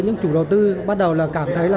những chủ đầu tư bắt đầu là cảm thấy là